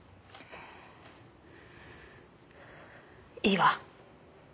いいわ。